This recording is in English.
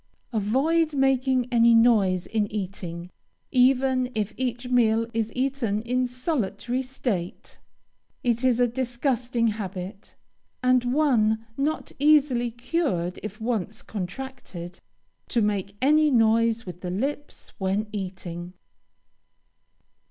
Avoid making any noise in eating, even if each meal is eaten in solitary state. It is a disgusting habit, and one not easily cured if once contracted, to make any noise with the lips when eating.